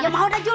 ya mau dah jul